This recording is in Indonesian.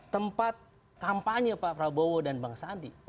tempat kampanye pak prabowo dan bang sandi